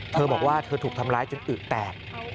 เธอบอกว่าเธอถูกทำร้ายจนอึแตก